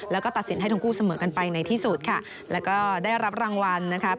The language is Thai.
แล้วก็ตัดสินให้ทั้งคู่เสมอกันไปในที่สุดค่ะแล้วก็ได้รับรางวัลนะครับ